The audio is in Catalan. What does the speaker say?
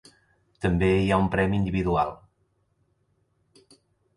També hi ha un premi individual.